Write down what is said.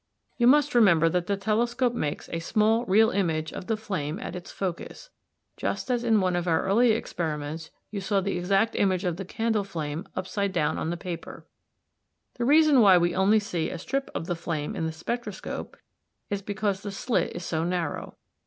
You must remember that the telescope makes a small real image of the flame at its focus, just as in one of our earlier experiments you saw the exact image of the candle flame upside down on the paper (see p. 33). The reason why we only see a strip of the flame in the spectroscope is because the slit is so narrow.